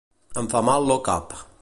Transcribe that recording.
Em fa mal lo cap